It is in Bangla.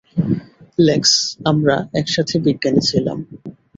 লেক্স, আমরা একসাথে বিজ্ঞানী ছিলাম।